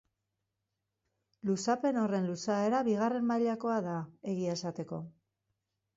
Luzapen horren luzaera bigarren mailakoa da, egia esateko.